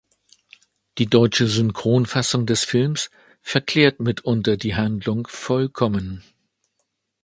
Die deutsche Synchronfassung des Filmes verklärt mitunter die Handlung vollkommen.